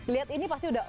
lihat ini pasti udah